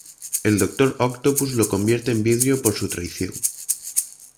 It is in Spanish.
El Doctor Octopus lo convierte en vidrio por su traición.